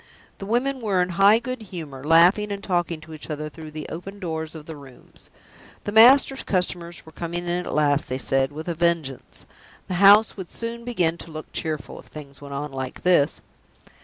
The women were in high good humor, laughing and talking to each other through the open doors of the rooms. The master's customers were coming in at last, they said, with a vengeance; the house would soon begin to look cheerful, if things went on like this.